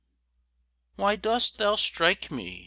Why dost thou strike me?